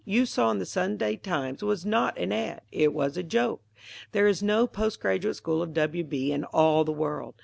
you saw in the Sunday Times was not an ad.; it was a joke. There is no Post Graduate School of W. B. in all the world.